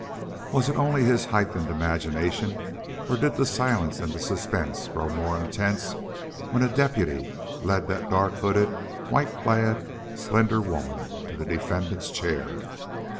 Was it only his heightened imagination, or did the silence and the suspense grow more intense when a deputy led that dark hooded, white clad, slender woman to the defendant's chair?